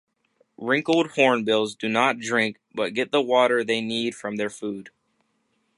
Wrinkled hornbills do not drink, but get the water they need from their food.